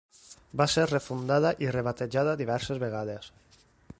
Va ser refundada i rebatejada diverses vegades.